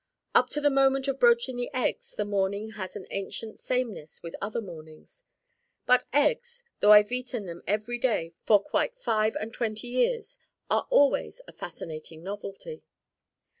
Up to the moment of broaching the eggs the morning has an ancient sameness with other mornings. But eggs, though I've eaten them every day for quite five and twenty years, are always a fascinating novelty.